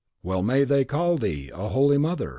Well may they call thee 'A Holy Mother!